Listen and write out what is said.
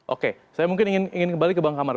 oke saya mungkin ingin kembali ke bang kamar